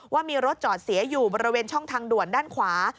ว่ามีรถจอดเสียอยู่บริเวณช่องทางด่วนด้านขวา